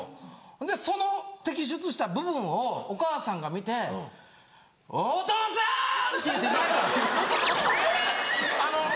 ほんでその摘出した部分をお母さんが見て「お父さん！」って言うて泣いたんですよ。